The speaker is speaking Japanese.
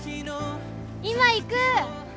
今行く！